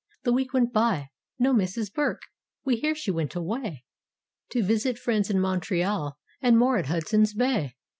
The week went by—no Mrs. Burke. We hear she went away. To visit friends in Montreal and more at Hudson's Bay.